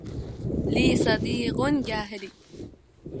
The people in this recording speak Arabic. لي صديق جاهلي